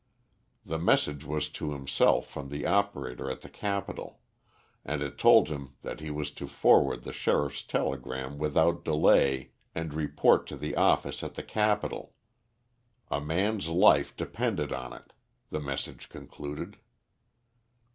The message was to himself from the operator at the capital, and it told him he was to forward the sheriff's telegram without delay, and report to the office at the capital a man's life depended on it, the message concluded.